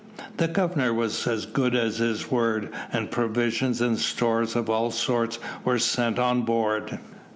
The Governor was as good as his word, and provisions and stores of all sorts were sent on board.